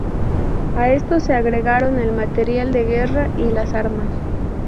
A esto se agregaron el material de guerra y las armas.